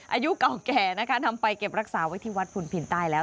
อายุเก่าแก่นะคะนำไปเก็บรักษาไว้ที่วัดพุนพินใต้แล้ว